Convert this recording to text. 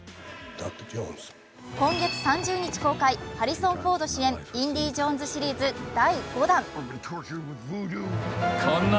今月３０日公開、ハリソン・フォード主演、「インディ・ジョーンズ」シリーズ第５弾。